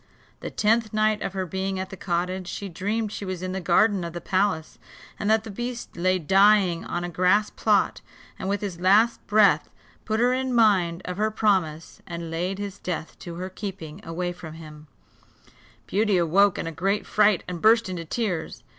The tenth night of her being at the cottage she dreamed she was in the garden of the palace, and that the beast lay dying on a grass plot, and, with his last breath, put her in mind of her promise, and laid his death to her keeping away from him; Beauty awoke in a great fright, and burst into tears.